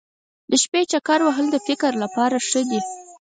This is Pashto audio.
د شپې چکر وهل د فکر لپاره ښه دي.